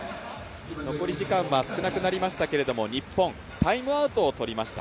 残り時間は少なくなりましたけれども日本、タイムアウトを取りました。